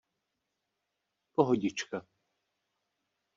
Pohodička.